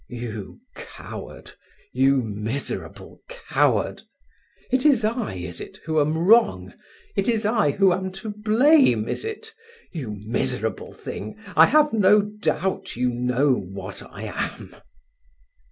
"You coward—you miserable coward! It is I, is it, who am wrong? It is I who am to blame, is it? You miserable thing! I have no doubt you know what I am."